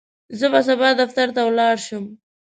زه به سبا دفتر ته ولاړ شم.